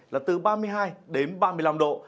là từ ba mươi hai đến ba mươi năm độ